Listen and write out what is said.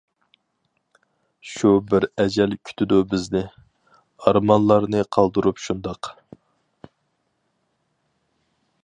شۇ بىر ئەجەل كۈتىدۇ بىزنى، ئارمانلارنى قالدۇرۇپ شۇنداق.